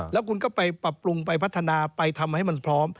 แล้วคุณก็ไปปรับปรุงไปพัฒนาไปทำให้มันพร้อม